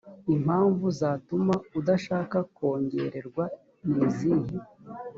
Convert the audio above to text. impamvu zatuma adashaka kongererwa nizihe